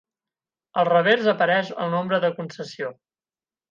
Al revers apareix el nombre de concessió.